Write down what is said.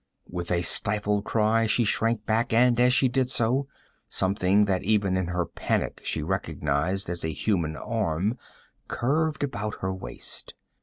With a stifled cry she shrank back, and as she did so, something that even in her panic she recognized as a human arm curved about her waist.